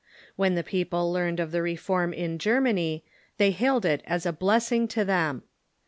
When the peo2:)le learned of the Reform in Germany, they hailed it as a blessing to them.